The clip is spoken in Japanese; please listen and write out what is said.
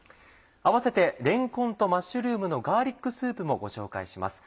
併せて「れんこんとマッシュルームのガーリックスープ」もご紹介します。